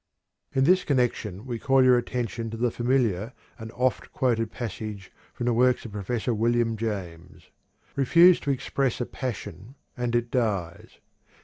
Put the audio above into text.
In this connection we call your attention to the familiar and oft quoted passage from the works of Prof. William James: "Refuse to express a passion and it dies.